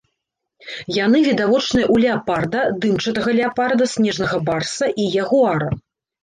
Яны відавочныя ў леапарда, дымчатага леапарда, снежнага барса і ягуара.